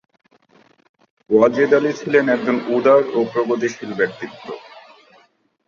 ওয়াজেদ আলী ছিলেন একজন উদার ও প্রগতিশীল ব্যক্তিত্ব।